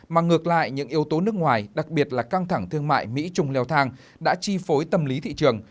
mà ngược lại những yếu tố nước ngoài đặc biệt là căng thẳng thương mại mỹ trung leo thang đã chi phối tâm lý thị trường